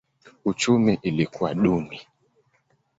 Uchumi ilikuwa duni.